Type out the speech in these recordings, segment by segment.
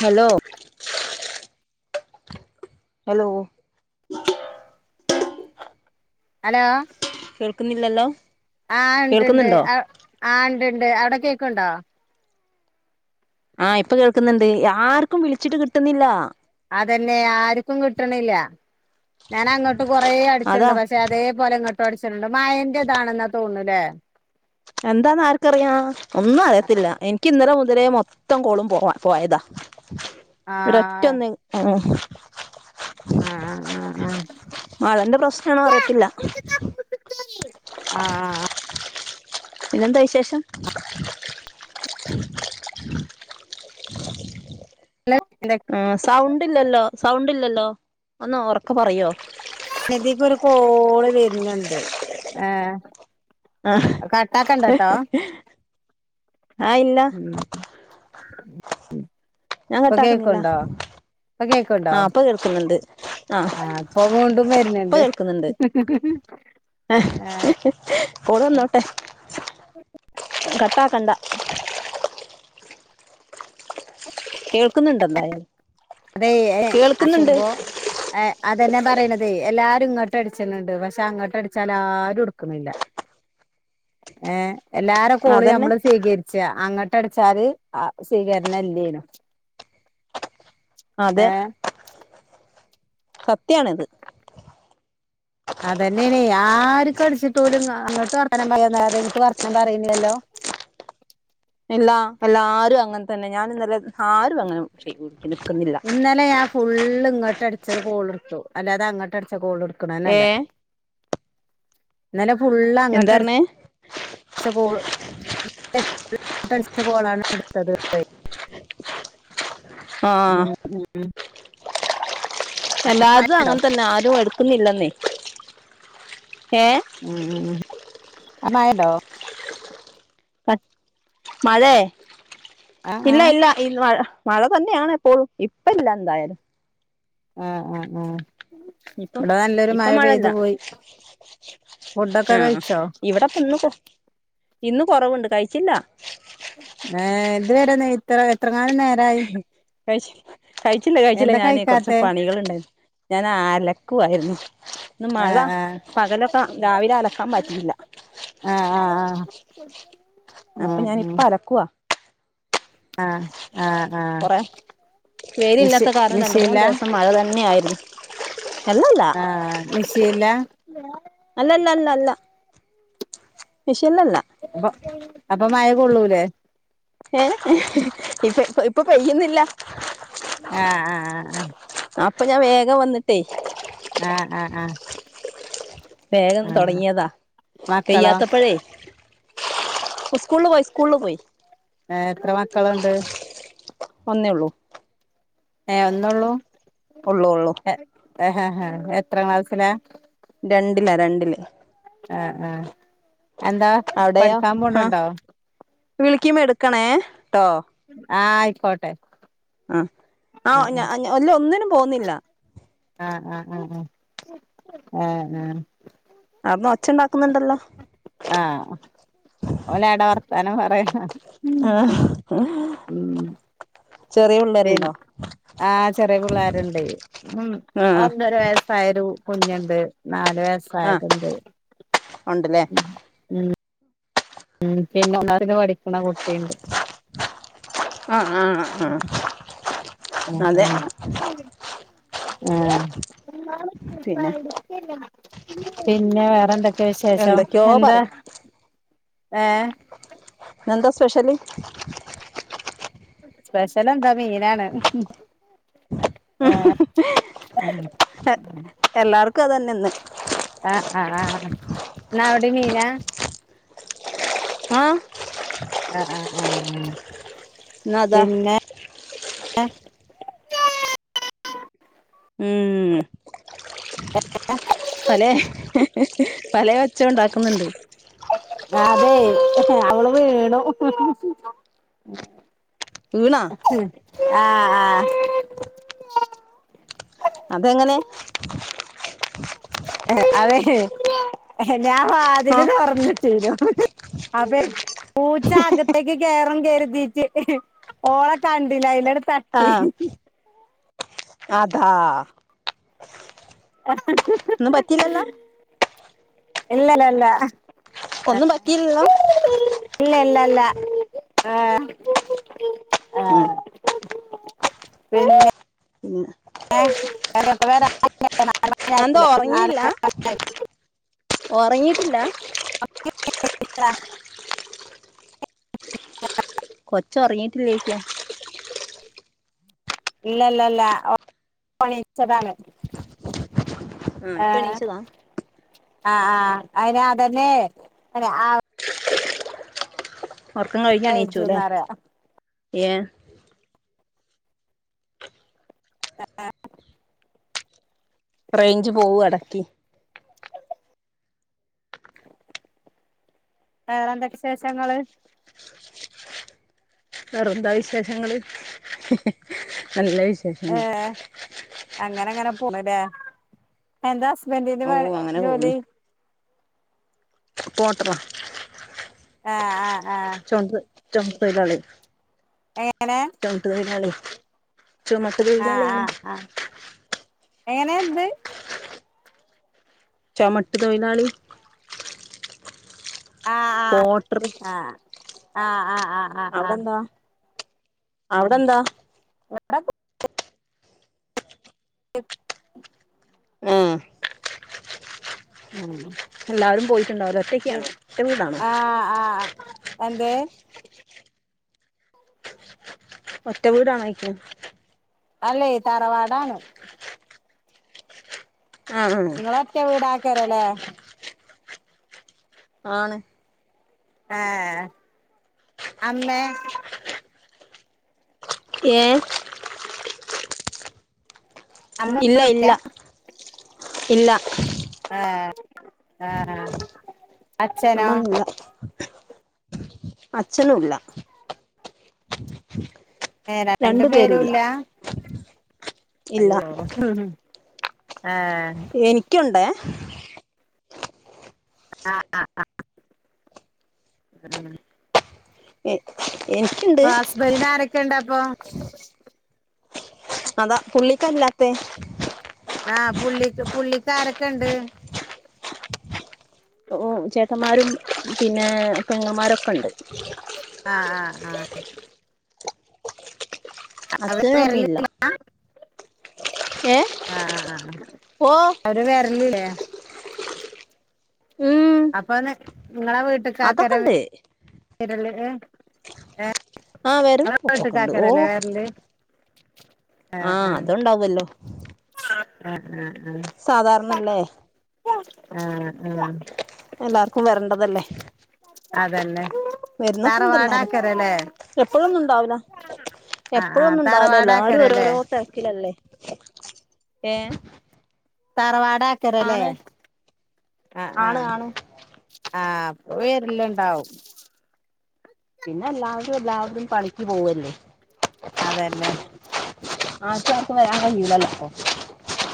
Hello hello hello കേൾക്കുന്നില്ലല്ലോ? ആഹ് ഇണ്ട്ണ്ട് കേൾക്കുന്നുണ്ടോ അവ് ആഹ് ഇണ്ട്ണ്ട് അവിടെ കേക്ക്ണ്ടാ ആഹ് ഇപ്പൊ കേൾക്കുന്നുണ്ട് ആർക്കും വിളിച്ചിട്ട് കിട്ടുന്നില്ല. അതന്നെ ആർക്കും കിട്ടണില്ല ഞാനങ്ങോട്ട് കൊറേ അതാ അടിച്ചിണ്ട് പഷെ പക്ഷെ അതേ പോലെ ഇങ്ങട്ടും അടിച്ചിട്ടുണ്ട് മഴേൻ്റെ ഇതാണ്ന്നാ തോണ്ലേ എന്താന്ന് ആർക്കറിയാം ഒന്നും അറിയത്തില്ല എനിക്ക് ഇന്നലെ മുതലേ മൊത്ത് [unintelligible] കോളും പോവാ പോയതാ ആ ഒരൊറ്റൊന്ന് ആ ഉം ആ മഴേന്റെ പ്രശ്നാണോ അറിയത്തില്ല ആഹ് ആഹ് പിന്നെന്താ വിശേഷം? [unintelligible] സൗണ്ടില്ലല്ലോ സൗണ്ട് ഇല്ലല്ലോ ഒന്നൊറക്കെ പറയോ സ്നതിക്കൊരു കോള് വെര്ണ് ണ്ട് ഏഹ്. അഹ് കട്ടാക്കെണ്ടട്ടോ? ആഹ് ഇല്ല ഞാ കട്ടാക്കുന്നില്ല. പ്പ കേക്ക്ണ്ടോ? ആഹ് ഇപ്പൊ കേൾക്കുന്നുണ്ട് ആഹ് പ്പൊ വിണ്ടും വെര്ന്ന്ണ്ട്. ഹി ഹി ഹി.... ഓള് വന്നോട്ടെ കട്ടാ കണ്ട. കേൾക്ക്ന്ന്ണ്ട് എന്തായാലും. അതെ ഏഹ് കേൾക്കുന്നുണ്ട് അശുമ്പോ ഏഹ് അതെന്നെ പറിണ്തേ എല്ലാരും ഇങ്ങട്ട് അടിച്ച്ണ് ണ്ട് പക്ഷെ അങ്ങോട്ട് അടിച്ചാല് ആരും ട്ക്കുന്നില്ല. ഏഹ് എല്ലാര കോള് അതന്നെ നമ്മള് സ്വീക ച്ച അങ്ങട്ടട്ച്ചാല് ആഹ് സ്വീകരണം ഇല്ലേനും അതെ ഏ സത്യാണിത്. അതന്നെയാണെ ആര്ക്കും അടിച്ചിട്ട് ഓലും അങ്ങട്ട് വർത്താനം [unintelligible] പറയണിലല്ലോ? ഇല്ല എല്ലാരും അങ്ങൻ തന്നെ ഞാനും ഇന്നലെ ആരും അങ്ങനെ ചെയ്യൂ ഇന്നലെ ഞാ ഫുള്ള് ഇങ്ങട്ടട്ച്ചേ കോള്ട്ത്തു അല്ലാതെ അങ്ങട്ട് അട്ച്ച കോള് ഏ ട്ക്ക്ണേനല്ല ഇന്നലെ ഫുൾ അങ്ങട്ട എന്താർഞ്ഞേ ച്ച കോള് [unintelligible] അട്ച്ച കോളാണ് ഞ ട്ത്തത്. ആഹ് ഉം ഉം എല്ലാര്തു മഴണ്ടോ അങ്ങൻ തന്നെ ആരും എട്ക്ക്ന്നില്ലെന്നേ ഏഹ് ഉം ഉം ഉം ആടെ മഴേണ്ടൊ? മഴേ ആ ആ ഇല്ല ഇല്ല. മഴ മഴ തന്നെയാണ് എപ്പോഴും ഇപ്പല്ല എന്തായാലും. ആഹ് ആഹ് ആഹ് ഇപ്പം ഇവിടെ നല്ലൊരു മഴ ഇപ്പം പെയ്തു മഴല്ല. പോയി ഫുഡൊക്കെ ആഹ് കഴിച്ചോ ഇവടപ്പം ഇന്ന് കൊ ഇന്ന് കൊറവുണ്ട് കഴിച്ചില്ല. ഏഹ് ത് വരെ ന്ന് ഇത്ര എത്രങ്ങാനും നേരായി? കഴിച്ച കഴിച്ചില്ല കഴിച്ചില്ല എന്താ ഞാന് കൊർച്ച് കഴിക്കാത്തെ പണികള്ണ്ട്. ഞാൻ അലക്കുവായിരുന്നു ന്ന് മഴ ആഹ് പകലൊക്ക രാവിലെ അലക്കാൻ പറ്റിയില്ല. ആഹ് ആഹ് ആഹ് ഉം അപ്പ ഉം ഞാനിപ്പ അലക്കുവ. ആഹ് ആഹ് ആഹ് കൊറേ മിഷി വെയ്ലില്ലാത്ത കാരണം രണ്ട്, മൂന്ന് മിഷീലാ ദിവസം മഴ തന്നെ ആയിരുന്നു. ആഹ് മിഷീൻല? അല്ല ല്ല ല്ല ല്ല മിഷീൻലല്ല. മ്പ അപ്പ മഴ കൊള്ളൂലേ? ഏഹ് ഇപ്പ ഇപ്പൊ പെയ്യുന്നില്ല. ആഹ് ആഹ് ആഹ് അപ്പ ഞാ വേഗം വന്ന്ട്ടേ ആഹ് ആഹ് ആഹ് വേഗം ആഹ് തൊടങ്ങിയതാ മക്കളോ പെയ്യാത്തപ്പഴേ. ഉസ്കൂള് പോയി ഉസ്കൂള് പോയി. ഏഹ് എത്ര മക്കള്ണ്ട്? ഒന്നേള്ളൂ ഏഹ് ഒന്നള്ളൂ? ഒള്ളൂ ഒള്ളൂ ഏഹ് ഏഹ് എത്രാം ക്ലാസ്സില? രണ്ട്ലാ രണ്ട്ല് ആഹ് ആഹ് എന്താ? അവിടെയോ പഠിക്കാൻ ആഹ് പോണുണ്ടോ വിളിക്കുമ്പോ എടുക്കണേ ട്ടോ ആഹ് ആയിക്കോട്ടെ ആഹ് ആ ആഹ് ഞാ ഇല്ല ഒന്നിനും പോകുന്നില്ല ആഹ് ആഹ് ആഹ് ആഹ് ആഹ് ആഹ് ആട്ന്ന് ഒച്ച ഒണ്ടാക്കുന്നുണ്ടല്ലോ ആഹ് ഓലാടെ വർത്താനം പറയ ആഹ് [unintelligible] ഇൻ ആഹ് ചെറിയ പിള്ളേര്ണ്ടേ. ഒന്ന് ആ ഒന്നരവ തായൊരു കുഞ്ഞ്ണ്ട് നാല് ആ വയസായത്ണ്ട്. ഉണ്ടല്ലേ ഉം ഉം പിന്നെ ഒന്നാക്ലാസ്സില് പഠിക്ക്ണ കുട്ടീണ്ട്. ആഹ് ആഹ്. ആഹ് ഉം അതെ. ഉം ആഹ്. പിന്നെ പിന്നെ വേറെന്തെ ക്കെ ശേഷം, എന്തൊക്കെയോ എന്താ? പറയും ഏഹ് ഇന്നെന്താ സ്പെഷ്യല്? സ്പെഷ്യലെന്താ മീനാണ്? ഉം. [unintelligible] എല്ലാർക്കും അതന്നെ ഇന്ന്. ആഹ് ആഹ് ആഹ്, ഇന്നവടീം മീനാ? ആഹ്. അ അ ആഹ് ന്നതാ എ ഉം ഉം എ എഹ് പലേ പലേ ഒച്ചേ ഉണ്ടാക്കുന്ന്ണ്ട്. അതെ അവള് വീണു. വീണാ ഉം ആഹ് ആഹ്. അതെങ്ങനെ? അതെ ഞാൻ ആ വാതില് തൊറന്നിട്ടിനു അതെ പൂച്ച അകത്തേക്ക് കേറും കര്തീട്ട് ഓളെ കണ്ടില്ല. അയ്ലങ്ങ്ട് ആഹ് അതാ ഒന്നും പറ്റിയില്ലല്ലോ ഇല്ലലല്ല. ഒന്നും പറ്റില്ലല്ലോ? ഇല്ല ല്ലല്ല. ആഹ് ഉം ആഹ്. പിന്നെ ഉം. എ [unintelligible] എന്താ ഒറങ്ങിയില്ല? ഒറങ്ങീട്ടില്ല? [unintelligible] [unintelligible] കൊച്ചൊറങ്ങീട്ടില്ലേയ്ക്ക ഇല്ലല്ലല്ല. ഓ പ്പോ നീച്ചതാണ്. ആഹ് ഇപ്പ എഹ് എണീച്ചതാ ആഹ് ആഹ് അയ്നതന്നെ ന് അ ഒറക്കം കഴിഞ്ഞ് എണീച്ചുല്ലെ? കയച്ചുന്നറിയ ഏ ആ ആഹ്. റെയിഞ്ച് പോവാ എടക്ക് വേറെന്തൊക്കെ ശേഷങ്ങള്? വേറെന്താ വിശേഷങ്ങള്? നല്ല വിശേ ഏഹ് അങ്ങനങ്ങനെ പോണൂല്ലേ? എന്താ? ഹസ്ബൻഡിന് പാ ഓഹ് അങ്ങനെ പോകുന്നു ജോലി? പോട്ടറാ ആഹ് ആഹ് ആഹ്. ദ് ചൊമട്ട് തൊഴിലാളി ഏഹ് എങ്ങനെ? ചൊമട്ടൊഴിലാളിയേയ് ചുമ ആഹ് ആഹ് ആഹ് എങ്ങനെ എന്ത്? ചൊമട്ട് തൊഴിലാളി ആഹ് പോട്ടറ് ആഹ് ആഹ് ആഹ് ആഹ് ആഹ് അവടെന്താ? അവടെന്താ? ആ ട്ട് ഉം ഉം ഉം എല്ലാവരും പോയിട്ട്ണ്ടാവുല്ലേ? പി ആഹ് ആഹ് എന്തേ? ഒറ്റ വീടാണോയ്ക്ക് അല്ലേ തറവാടാണ് ആഹ് ണ് ക്കെ വീടാക്കാരല്ലേ? ആണ് ആഹ് അമ്മേ? ഏഹ്? അമ്മ ഇല്ല. ഇല്ല. ഇല്ല. ആഹ് ആഹ് ആഹ് അച്ഛനോ? അച്ഛനുല്ലാ ഏഹ് രണ്ടു പേരൂല്ല. ഇല്ല അയ്യോ ആ എനിക്ക്യുണ്ടേ ആഹ് ആഹ് ആഹ് ഉം എഹ് ഹസ്ബൻഡ്ന് ആരൊക്കെണ്ടപ്പോ? അതാ പുള്ളിക്കാല്ലാത്തെ. ആ പുള്ളിക്ക് പുള്ളിക്കാരൊക്കെണ്ട്? ഉം ചേട്ടന്മാരും പിന്നെ പെങ്ങൻമാരൊക്കെണ്ട്. ആഹ് ആഹ് ആഹ് അവര് അച്ഛനും അമ്മീം വരല് ഇല്ല. ഏഹ് ആഹ് ആഹ് ആഹ് ആഹ് അവര് വെരല്ല്യേ? അപ്പോന്ന് ങ്ങളെ വീട്ട് അതൊക്കണ്ട് [unintelligible] ആഹ് വെരവും പൊക്കോക്കേണ്ട്. വീട്ട്ക്കാക്കാരല്ലേ ഓഹ് വരല് ആഹ് അത്ണ്ടാവല്ലോ ആഹ് ആഹ് ആഹ് സാധാരണല്ലേ? ആഹ് ആഹ്.. എല്ലാർക്കുവരണ്ടതല്ലേ.. അതന്നെ വര്ലോക്കണ്ടെല്ലാരും എപ്പോഴൊന്നുണ്ടാവുലാ.. ആഹ് ആഹ് എപ്പോഴൊന്നുംണ്ടാവുലാ എല്ലരും തറവാടാക്കരല്ലേ ഓരോരോ തെരക്കിലല്ലേ. ഏഹ് തറവാടക്കരലേ. ആണ് ആഹ് ആണ് ആഹ് ആണ് ആഹ്. അപ്പൊവരെല്ല്ണ്ടാവും.. പിന്നെ എല്ലാവരും എല്ലാവരും പണിക്ക് പോവല്ലേ അതേല്ലേ? ആര്ക്കുങ്ങട്ട് വരാൻ കയ്യുല്ലല്ലോ അപ്പൊ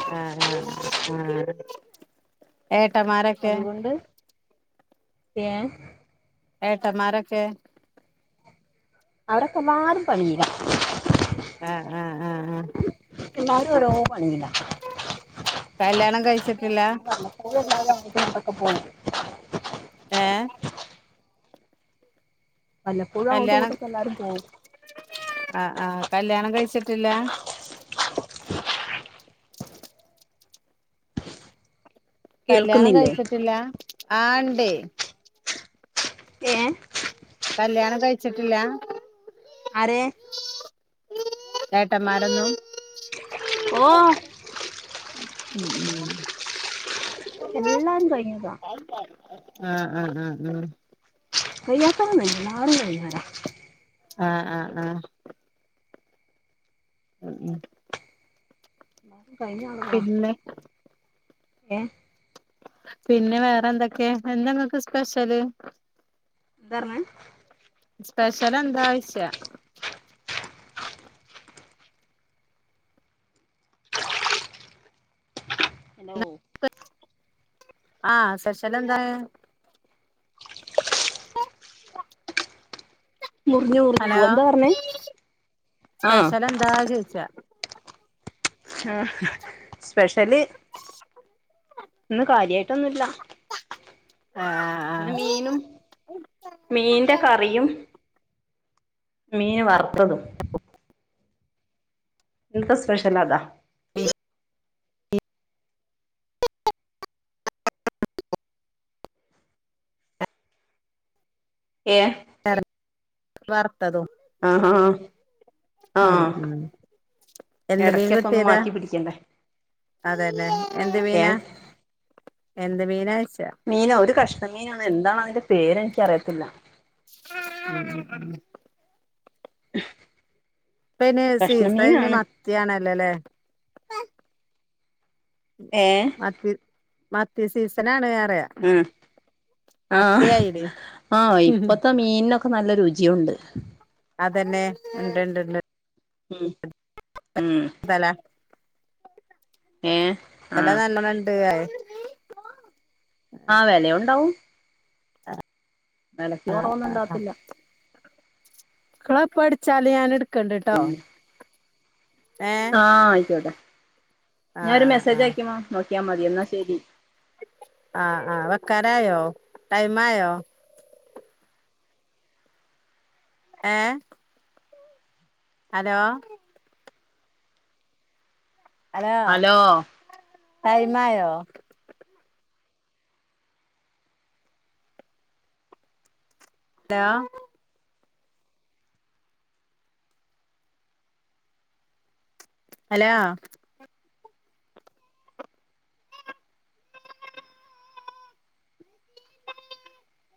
ആഹ് ആഹ് ആഹ് ഏട്ടമാരെ അതുകൊണ്ട് ഏഹ് ഏട്ടന്മാരൊക്കെ അവരൊക്കെമാരും പണിയിലാ ആഹ് ആഹ് ആഹ് എല്ലാരും ഓരോ പണിയിലാ കല്യാണം കഴിച്ചിട്ടില്ല ഓൽ എല്ലാരും അങ്ങട്ടും ഇങ്ങട്ടൊക്കെ പോവും ഏഹ് വല്ലപ്പോഴും അങ്ങോട്ടും കല്യാണം ഇങ്ങോട്ടക്കെല്ലരും പോവും ആഹ് ആഹ് കല്യാണം കഴിച്ചിട്ടില്ല കല്ല്യാണം കേൾക്കുന്നില്ലേ കഴിച്ചിട്ടില്ല ആഹ് ണ്ടയ് ഏഹ് കല്യാണം കഴിച്ചിട്ടില്ല ആരെ ഏട്ടമാരുന്നും ഓഹ് ഉം ഉം എല്ലാരും കഴിഞ്ഞതാ ആഹ് ആഹ് ആഹ് ആഹ് അയിനാത്രൊന്നുലാ ന്നാലും വൈന്നേരവും ആഹ് ആഹ് ആഹ് ഉം ഉം കഴിഞ്ഞ അങ്ങട്ട് പോണം പിന്നെ ഏഹ് പിന്നെ വേറെന്തൊക്കെ എന്താങ്ങക്ക് സ്പെഷ്യല് ന്തർഞ് സ്പെഷ്യലെന്താ യ്ച്ച അലോ ആഹ് സ്പെഷ്യലെന്താ ആഹ് മുറിഞ്ഞു മുറിഞ്ഞു ഹലോ പോവാ എന്താ പറഞ്ഞേ ആ സ്പെഷലെന്താ ചോയിച്ചാ ആഹ് സ്പെഷ്യല് ഇന്ന് കാര്യായിട്ടൊന്നുല്ല ആഹ് ന്ന് മീനും മീന്റെ കറിയും മീൻ വർത്തതും ഇന്നത്തെ സ്പെഷ്യലതാ പി [unintelligible] [unintelligible] ഏഹ് വാർത്തതും ആഹ് ആഹ് ഉം ഉം എന്ത് മീൻ ഇടക്കൊക്കെ ഒന്ന് കിട്ടിയതാ മാറ്റി പിടിക്കണ്ടേ അതെല്ലേ എന്ത് ഏ മീനാ എന്ത് മീനാ ചോയ്ച്ച മീനോ ഒരു കഷ്ണമീനാണ് എന്താണ് അതിന്റെ പേര് എനിക്കറിയത്തില്ല ആഹ് [unintelligible] ഇപ്പയിൻ കഷ്ണം സീസണ് അയിന് മീനാണ് മത്തിയാണല്ലോല്ലേ ഏ മത്തി മത്തി സീസനാണ് വേറെയ ഊം ആഹ് അയിലെ ഓ ഇപ്പത്തെ മീൻ മീന് നൊക്കെ നല്ല രുചിയൊണ്ട് അതന്നെ ഉണ്ട്ണ്ട്ണ്ട് ഉം ഊം വെല ഏ വെല ആഹ് നല്ലണോണ്ട് അ ആഹ് വെലയൊണ്ടാവും ആഹ് വെലക്ക് കൊറവൊന്നും ഉണ്ടാവത്തില്ല ക്കള് എപ്പ അടിച്ചാല് ഞാൻ എടുക്കൺണ്ട്ട്ടോ പിന്നെ ആഹ് ആയിക്കോട്ടെ ഞാനൊരു ആഹ് മെസ്സേജ് ആഹ് അയക്കുമ്പോ നോക്കിയാ മതി എന്നാ ശരി ആഹ് ആഹ് വെക്കാനായോ ടൈം ആയോ ഏഹ് ഹലോ ഹലോ ടൈമായോ ടാ ഹലോ [inaudible]